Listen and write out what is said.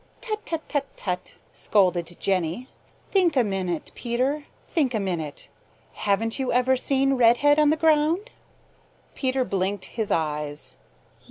"Tut, tut, tut, tut!" scolded Jenny. "Think a minute, Peter! Think a minute! Haven't you ever seen Redhead on the ground?" Peter blinked his eyes.